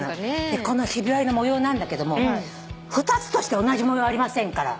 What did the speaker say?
でこのひび割れの模様なんだけども二つとして同じ模様はありませんから。